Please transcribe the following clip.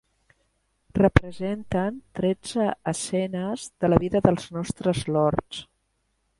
Representen tretze escenes de la vida dels nostres Lords.